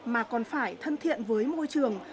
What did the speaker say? mà còn phải thân thiện với môi trường